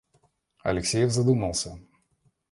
Алексеев задумался.